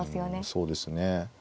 そうですね。